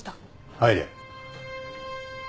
入れ。